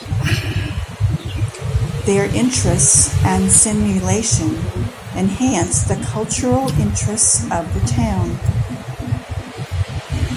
Their interests and stimulation enhanced the cultural interests of the town.